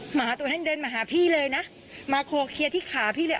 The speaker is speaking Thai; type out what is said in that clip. หมาตัวนั้นเดินมาหาพี่เลยนะมาโคเคลียร์ที่ขาพี่เลย